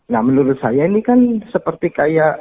nah menurut saya ini kan seperti kayak